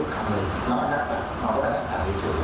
ทำอะไรเด็กพูดแบบนี้เลย